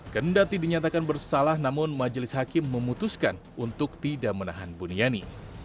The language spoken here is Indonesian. kendati dinyatakan bersalah namun majelis hakim memutuskan untuk tidak menahan buniani